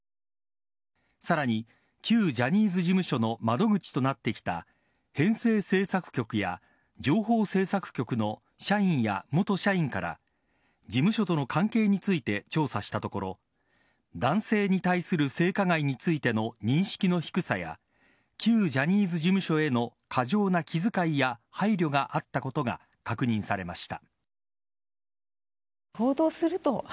さらに、旧ジャニーズ事務所の窓口となってきた編成制作局や情報制作局の社員や元社員から事務所との関係について調査したところ男性に対する性加害についての認識の低さや旧ジャニーズ事務所への過剰な気遣いや配慮があったことが確認されました。